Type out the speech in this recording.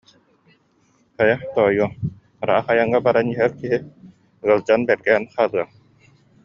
Хайа, тоойуом, ыраах айаҥҥа баран иһэр киһи ыалдьан, бэргээн хаалыаҥ